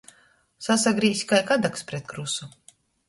Sasagrīzs kai kadaks pret krusu.